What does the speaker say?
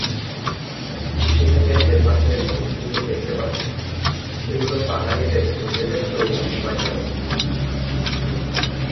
ছবিতে যে বাশের খুঁটিগুলো দেখতে পাচ্ছেন সেগুলো পাহাড়িদের নিজেদের তৈরি মোবাইল টাওয়ার।